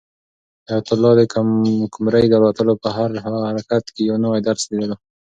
حیات الله د قمرۍ د الوتلو په هر حرکت کې یو نوی درس لیدلو.